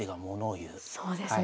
そうですね。